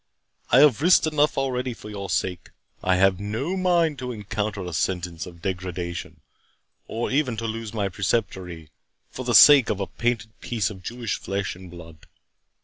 I have risked enough already for your sake. I have no mind to encounter a sentence of degradation, or even to lose my Preceptory, for the sake of a painted piece of Jewish flesh and blood.